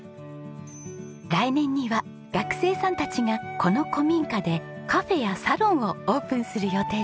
来年には学生さんたちがこの古民家でカフェやサロンをオープンする予定です。